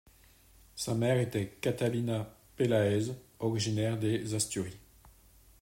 Sa mère était Catalina Peláez, originaire des Asturies.